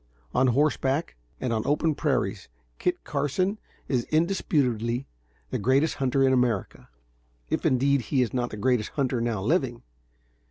On horseback and on open prairies, Kit Carson is indisputably the greatest hunter in America, if indeed he is not the greatest hunter now living.